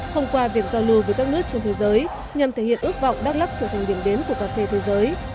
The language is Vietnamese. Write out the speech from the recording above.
thông qua việc giao lưu với các nước trên thế giới nhằm thể hiện ước vọng đắk lắc trở thành điểm đến của cà phê thế giới